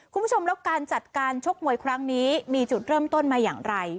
คุณผู้ชมแล้วการจัดการชกมวยครั้งนี้มีจุดเริ่มต้นมาอย่างไร